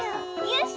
よし！